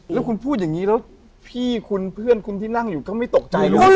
แล้วคุณพูดอย่างนี้แล้วพี่คุณเพื่อนคุณที่นั่งอยู่ก็ไม่ตกใจลูก